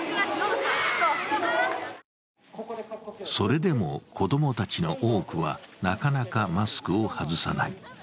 それでも、子供たちの多くはなかなかマスクを外さない。